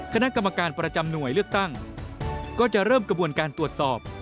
คณะกรรมการประจำหน่วยเลือกตั้งก็จะเริ่มกระบวนการตรวจสอบ